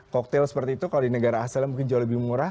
koktail seperti itu kalau di negara asalnya mungkin jauh lebih murah